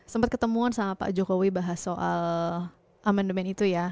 sempat ketemuan sama pak jokowi bahas soal amendement itu ya